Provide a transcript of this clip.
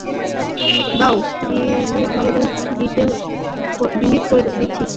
দাও, ডিলিট করে দিচ্ছি।